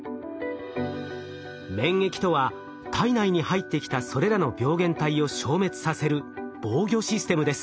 免疫とは体内に入ってきたそれらの病原体を消滅させる防御システムです。